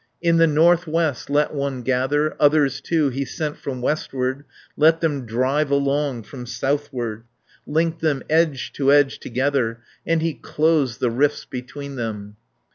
In the north west let one gather, Others, too, he sent from westward, Let them drive along from southward, Linked them edge to edge together, And he closed the rifts between them.